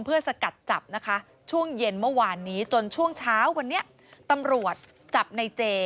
เพื่อสกัดจับนะคะช่วงเย็นเมื่อวานนี้จนช่วงเช้าวันนี้ตำรวจจับในเจ